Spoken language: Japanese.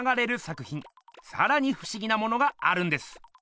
さらにふしぎなものがあるんです。